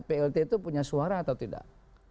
plt itu punya suara atau tidak